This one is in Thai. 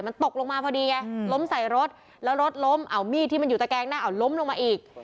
มันตกลงมาพอดีไงล้มใส่รถแล้วรถล้มเอามีดที่มันอยู่ตะแกงหน้าเอาล้มลงมาอีก